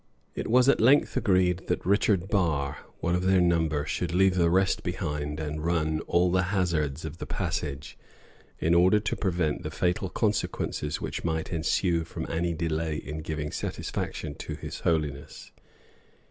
It was at length agreed that Richard Barre, one of their number, should leave the rest behind, and run all the hazards of the passage, in order to prevent the fatal consequences which might ensue from any delay in giving satisfaction to his holiness.